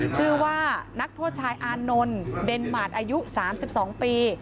ชื่อว่านักโทษชายอานนท์เดนมาร์ทอายุ๓๒ปี